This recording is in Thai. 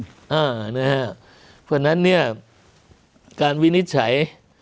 เพราะฉะนั้นเนี่ยการวินิจฉัย